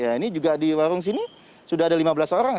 ya ini juga di warung sini sudah ada lima belas orang